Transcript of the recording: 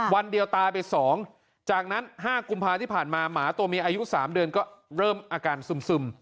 วันเดียวตายไป๒จากนั้น๕กุมภาที่ผ่านมาหมาตัวเมียอายุ๓เดือนก็เริ่มอาการซึม